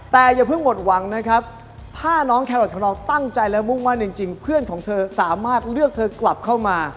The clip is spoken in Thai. แต่อย่าเพิ่งหมดหวังนะครับถ้าน้องแครอทของเราตั้งใจและมุ่งมั่นจริงเพื่อนของเธอสามารถเลือกเธอกลับเข้ามา